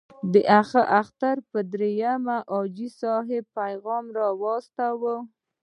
د اختر په دریمه حاجي صاحب پیغام واستاوه.